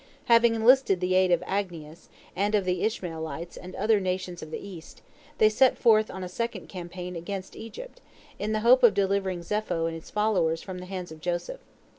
Having enlisted the aid of Agnias, and of the Ishmaelites and other nations of the East, they set forth on a second campaign against Egypt, in the hope of delivering Zepho and his followers from the hands of Joseph.